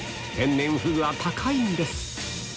天然フグは高いんです